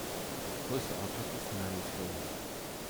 Größte Ortschaft ist Marysville.